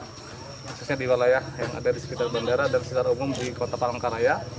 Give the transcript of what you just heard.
khususnya di wilayah yang ada di sekitar bandara dan sekitar umum di kota palangkaraya